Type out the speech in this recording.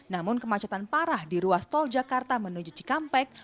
namun kemacetan parah di ruas tol jakarta menuju cikampek